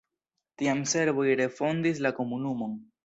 Tiam serboj refondis la komunumon.